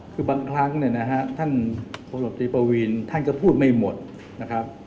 คือบางครั้งเนี่ยนะฮะท่านพลตรีปวีนท่านก็พูดไม่หมดนะครับ